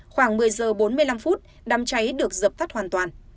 khoảng một mươi giờ bốn mươi năm phút đám cháy được dập tắt hoàn toàn